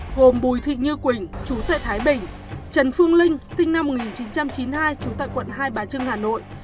cơ quan làm rõ gồm bùi thị như quỳnh chú tại thái bình trần phương linh sinh năm một nghìn chín trăm chín mươi hai chú tại quận hai bà trưng hà nội